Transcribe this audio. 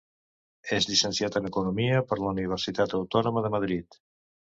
És llicenciat en economia per la Universitat Autònoma de Madrid.